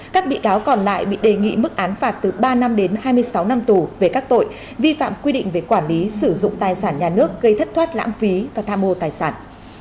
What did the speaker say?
các bị cáo còn lại bị đề nghị mức án phạt từ ba năm đến hai mươi sáu năm tù về các tội vi phạm quy định về quản lý sử dụng tài sản nhà nước gây thất thoát lãng phí và tham mô tài sản